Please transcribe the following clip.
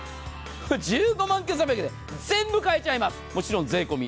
１５万９８００円で全部買えちゃいます、もちろん税込み。